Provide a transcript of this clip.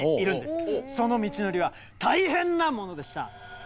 その道のりは大変なものでした。